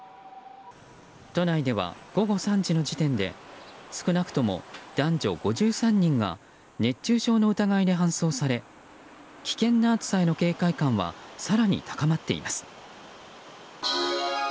都内では午後３時の時点で少なくとも男女５３人が熱中症の疑いで搬送され危険な暑さへの警戒感は更に高まっています。